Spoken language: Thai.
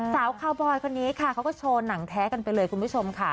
สาวคาวบอยคนนี้ค่ะเขาก็โชว์หนังแท้กันไปเลยคุณผู้ชมค่ะ